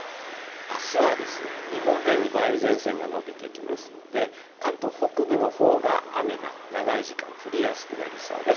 あすは日本海に梅雨前線が延びてきますので、関東北部のほうが雨が長い時間、降りやすくなりそうです。